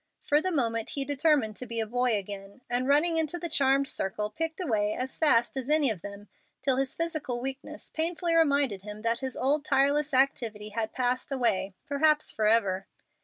For the moment he determined to be a boy again, and running into the charmed circle, picked away as fast as any of them till his physical weakness painfully reminded him that his old tireless activity had passed away, perhaps forever.